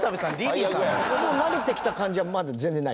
もう慣れてきた感じはまだ全然ない？